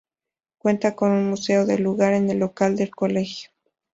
Cuenta con un Museo de lugar, en el local del colegio.